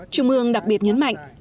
chủ mương đặc biệt nhấn mạnh